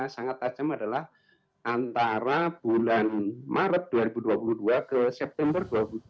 sangat tajam adalah antara bulan maret dua ribu dua puluh dua ke september dua ribu dua puluh